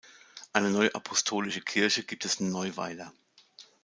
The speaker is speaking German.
Eine neuapostolische Kirche gibt es in Neuweiler.